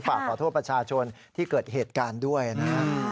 ฝากขอโทษประชาชนที่เกิดเหตุการณ์ด้วยนะฮะ